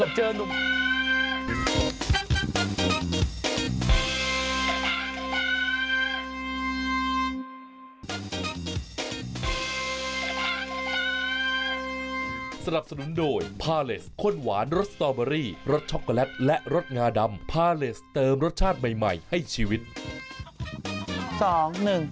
เดี๋ยวกลับมาค่ะเจองูกับเจองู